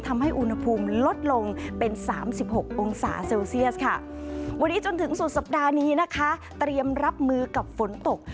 เตรียมรับมือกับฝนตก